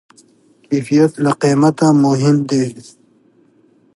کیفیت له قیمته مهم دی.